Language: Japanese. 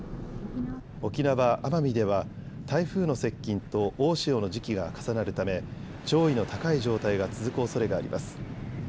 沖縄・奄美では台風の接近と大潮の時期が重なるため潮位の高い状態が続くおそれがあります。